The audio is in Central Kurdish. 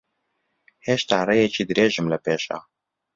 هێشتا ڕێیەکی درێژم لەپێشە.